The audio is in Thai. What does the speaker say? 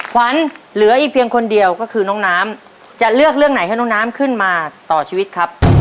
ขวัญเหลืออีกเพียงคนเดียวก็คือน้องน้ำจะเลือกเรื่องไหนให้น้องน้ำขึ้นมาต่อชีวิตครับ